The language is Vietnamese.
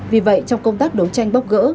vì vậy trong công tác đấu tranh bóc gỡ